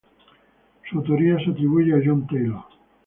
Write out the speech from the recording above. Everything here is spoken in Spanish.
Su autoría se atribuye a John Taylor.